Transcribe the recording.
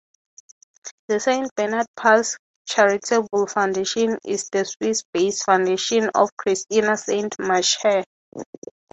The Saint Bernard Pass Charitable Foundation is the Swiss-based foundation of Christina Saint Marche.